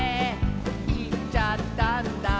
「いっちゃったんだ」